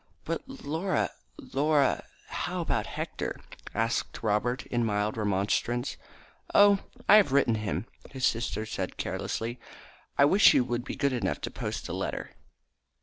"But Laura, Laura, how about Hector?" asked Robert in mild remonstrance. "Oh, I have written to him," his sister answered carelessly. "I wish you would be good enough to post the letter."